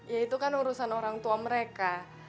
ya itu kan urusan orang tua mereka